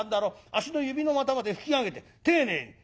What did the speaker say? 足の指の股まで拭き上げて丁寧にそう。